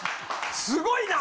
すごいな！